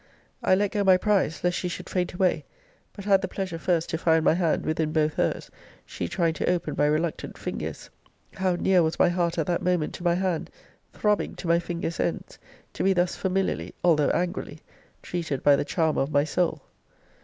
I let go my prize, lest she should faint away: but had the pleasure first to find my hand within both hers, she trying to open my reluctant fingers. How near was my heart at that moment to my hand, throbbing to my fingers' ends, to be thus familiarly, although angrily, treated by the charmer of my soul!